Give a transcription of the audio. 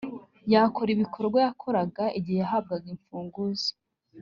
yakora ibikorwa yakoraga igihe yahabwaga imfunguzo